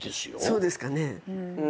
そうですかね。